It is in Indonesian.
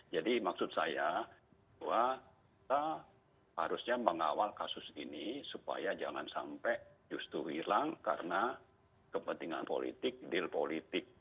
jadi maksud saya kita harusnya mengawal kasus ini supaya jangan sampai justru hilang karena kepentingan politik deal politik